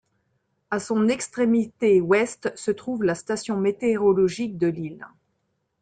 À son extrémité ouest se trouve la station météorologique de l'île.